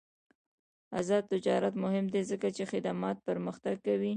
آزاد تجارت مهم دی ځکه چې خدمات پرمختګ کوي.